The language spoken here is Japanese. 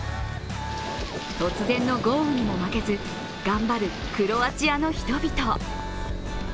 突然の豪雨にも負けず、頑張るクロアチアの人々。